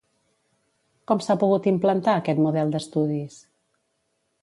Com s'ha pogut implantar aquest model d'estudis?